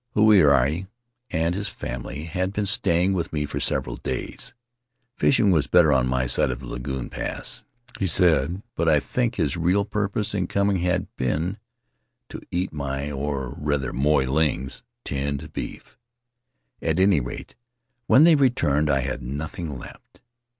Huirai and his family had been staying with me for several days. Pishing was better on my side of the lagoon pass, he said, but I think his real purpose in coming had been to eat my, or, rather, Moy Ling's tinned beef. At any rate, when they returned I had nothing left.